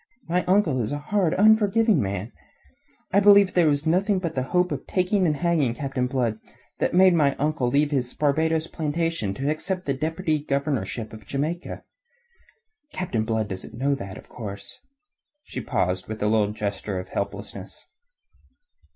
My uncle is a hard, unforgiving man. I believe that it was nothing but the hope of taking and hanging Captain Blood that made my uncle leave his Barbados plantations to accept the deputy governorship of Jamaica. Captain Blood doesn't know that, of course...." She paused with a little gesture of helplessness.